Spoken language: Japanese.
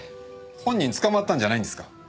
犯人捕まったんじゃないんですか？